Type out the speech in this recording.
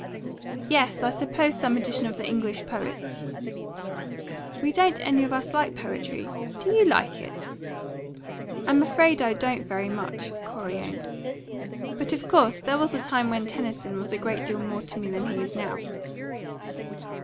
"Yes; I suppose some edition of the English poets." "We don't any of us like poetry. Do you like it?" "I'm afraid I don't very much," Corey owned. "But, of course, there was a time when Tennyson was a great deal more to me than he is now."